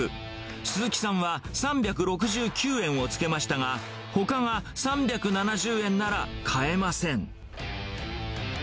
鈴木さんは３６９円をつけましたが、ほかが３７０円なら買えません。